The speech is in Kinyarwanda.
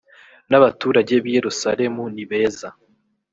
n abaturage b i yerusalemu nibeza